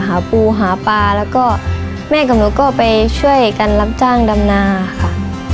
หาปูหาปลาแล้วก็แม่กับหนูก็ไปช่วยกันรับจ้างดำนาค่ะ